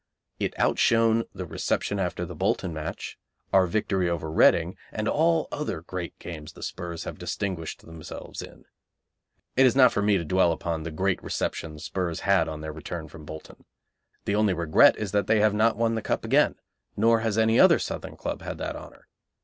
It outshone the reception after the Bolton match, our victory over Reading, and all other great games the 'Spurs have distinguished themselves in. It is not for me to dwell upon the great reception the 'Spurs had on their return from Bolton. The only regret is that they have not won the Cup again, nor has another Southern club had that honour.